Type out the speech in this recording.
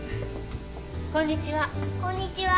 こんにちは。